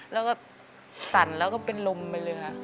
แล้วก็สั่นแล้วก็เป็นลมไปเลยค่ะ